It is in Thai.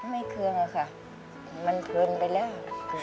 เคืองอะค่ะมันเกินไปแล้ว